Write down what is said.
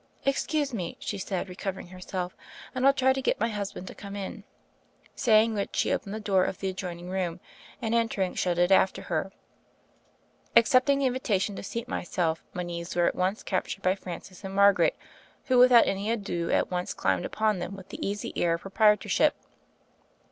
"Excuse me," she said, recovering herself, "and I'll try to get my husband to come in," say ing which she opened the door of the adjoining room, and entering shut it after her. Accepting the invitation to seat myself, my knees were at once captured by Francis and Mar garet, who without any ado at once climbed upon them with the easy air of proprietorship.